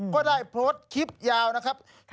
ก็ได้โพสต์คลิปยาวนะครับ